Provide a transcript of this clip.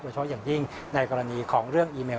เฉพาะอย่างยิ่งในกรณีของเรื่องอีเมล